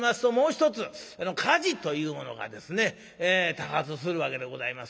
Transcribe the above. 多発するわけでございます。